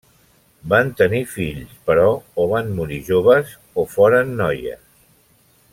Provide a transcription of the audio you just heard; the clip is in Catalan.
Van tenir fills però o van morir joves o foren noies.